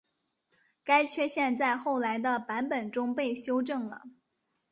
该缺陷在后来的版本中被修正了。